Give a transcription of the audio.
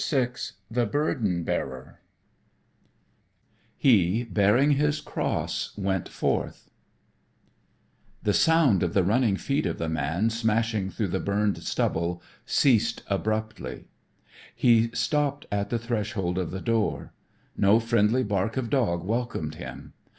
VI The Burden Bearer "HE, BEARING HIS CROSS, WENT FORTH" VI The Burden Bearer The sound of the running feet of the man smashing through the burned stubble ceased abruptly. He stopped at the threshold of the door. No friendly bark of dog welcomed him.